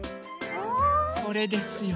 これですよ。